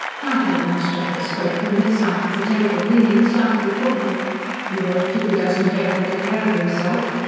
Nigel Anstruthers spoke from his side of the table, leaning slightly forward. "He won't if he does not take better care of himself.